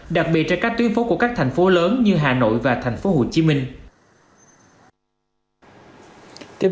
đặc biệt trên các tuyến phố của các thành phố lớn như hà nội và thành phố hồ chí minh